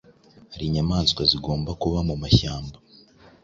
hari inyamaswa zigomba kuba mu mashyamba,